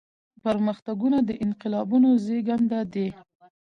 پرمختګونه د انقلابونو زيږنده دي.